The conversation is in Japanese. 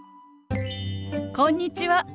こんにちは。